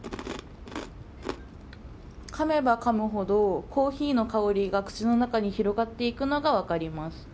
かめばかむほどコーヒーの香りが口の中に広がっていくのが分かります。